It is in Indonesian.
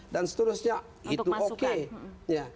dan seterusnya itu oke